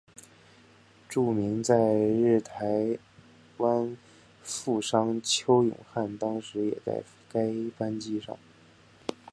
著名在日台湾富商邱永汉当时也在该班机上。